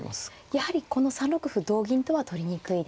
やはりこの３六歩同銀とは取りにくいですか？